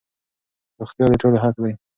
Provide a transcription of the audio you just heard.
روغتيا د ټولو حق دی.